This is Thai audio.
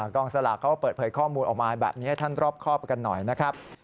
กองสลากเขาเปิดเผยข้อมูลออกมาแบบนี้ให้ท่านรอบครอบกันหน่อยนะครับ